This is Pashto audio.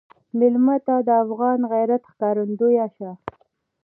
مېلمه ته د افغان غیرت ښکارندوی شه.